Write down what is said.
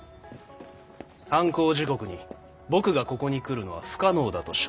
犯行時刻に僕がここに来るのは不可能だと証明されています。